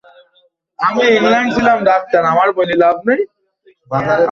তাই এখন ক্রিস ইভানসের কোটি ভক্ত তাঁকে অনুসরণ করেন পদে পদে।